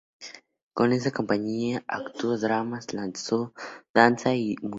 Con esa compañía, actuó dramas danza muchos.